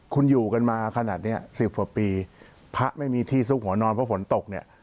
คุณอยู่กันมาขนาดนี้สิบหกปีพระไม่มีที่สู้หัวนอนเพราะฝนตก